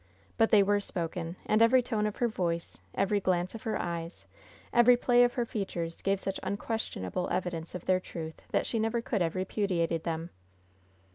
But they were spoken, and every tone of her voice, every glance of her eyes, every play of her features gave such unquestionable evidence of their truth that she never could have repudiated them.